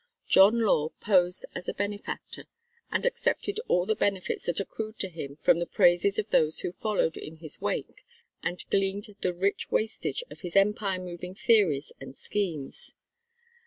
John Law posed as a benefactor and accepted all the benefits that accrued to him from the praises of those who followed in his wake and gleaned the rich wastage of his empire moving theories and schemes.